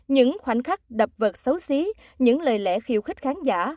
những khoảnh khắc đập vật xấu xí những lời lẽ khiêu khích khán giả